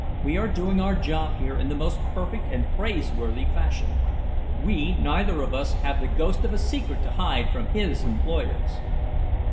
We are doing our job here in the most perfect and praiseworthy fashion. We neither of us have the ghost of a secret to hide from his employers."